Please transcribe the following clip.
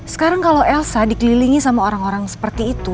sekarang kalau elsa dikelilingi sama orang orang seperti itu